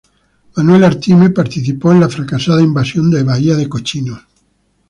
Manuel Artime participó en la fracasada Invasión de Bahía de Cochinos.